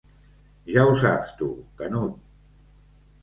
Ja ho saps tu, Canut.